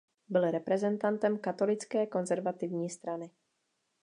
Byl reprezentantem katolické konzervativní strany.